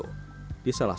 disenjata oleh desa delingo